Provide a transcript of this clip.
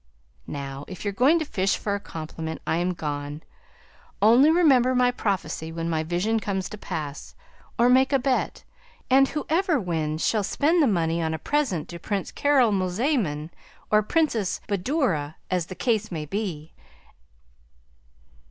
"Now, if you're going to fish for a compliment I am gone. Only remember my prophecy when my vision comes to pass; or make a bet, and whoever wins shall spend the money on a present to Prince Caramalzaman or Princess Badoura, as the case may be."